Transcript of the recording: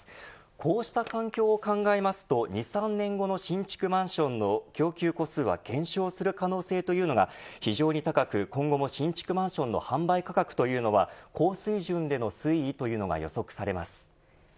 こうした環境を考えますと２、３年後の新築マンションの供給戸数は減少する可能性というのが非常に高く今後も新築マンションの販売価格というのは高水準での推移というのが予測されます。